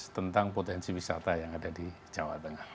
tentang potensi wisata yang ada di jawa tengah